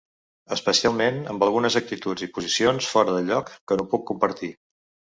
Especialment amb algunes actituds i posicions fora de lloc, que no puc compartir.